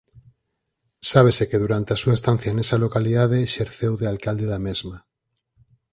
Sábese que durante a súa estancia nesa localidade exerceu de alcalde da mesma.